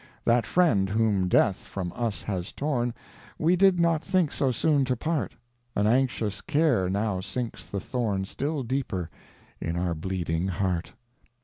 That friend whom death from us has torn, We did not think so soon to part; An anxious care now sinks the thorn Still deeper in our bleeding heart.